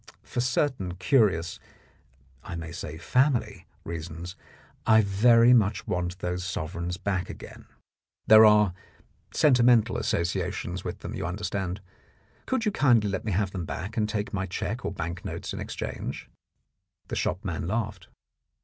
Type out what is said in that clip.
For certain curious, I may say family, reasons, I very much want those sovereigns back again. There are E 57 The Blackmailer of Park Lane sentimental associations with them, you understand. Could you kindly let me have them back and take my cheque or bank notes in exchange ?" The shopman laughed.